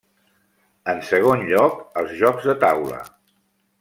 En segon lloc, els jocs de taula.